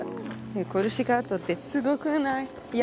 コルシカ島ってすごくない？